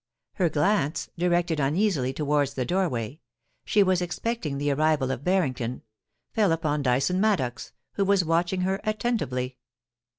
Her glance, directed uneasily towards the doorway — she was expecting the arrival of Barrington — fell upon Dyson Maddox, who was watching her attentively.